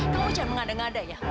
kamu jangan mengada ngada ya